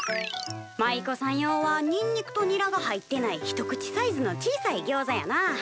舞妓さん用はにんにくとニラが入ってない一口サイズの小さいギョウザやな。